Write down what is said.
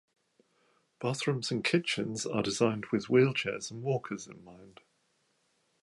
Bathrooms and kitchens are designed with wheelchairs and walkers in mind.